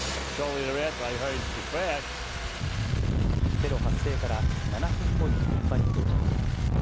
テロ発生から７分後に現場に到着。